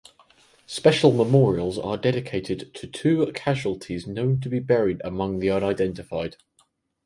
Special memorials are dedicated to two casualties known to be buried among the unidentified.